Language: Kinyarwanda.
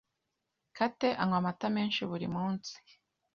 Kate anywa amata menshi buri munsi.